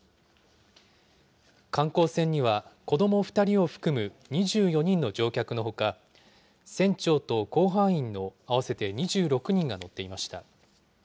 観光船には、子ども２人を含む２４人の乗客のほか、船長と甲板員の合わせて２６人が乗っていました。